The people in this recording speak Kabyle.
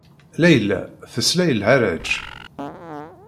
Layla tesla i lharaǧ.